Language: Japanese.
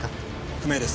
不明です。